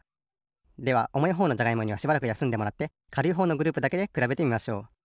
ではおもいほうのじゃがいもにはしばらくやすんでもらってかるいほうのグループだけでくらべてみましょう。